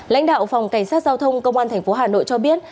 lãnh đạo phòng cảnh sát giao thông công an thành phố hà nội cho biết